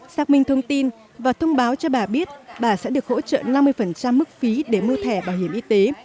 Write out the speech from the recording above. xác minh thông tin và thông báo cho bà biết bà sẽ được hỗ trợ năm mươi mức phí để mua thẻ bảo hiểm y tế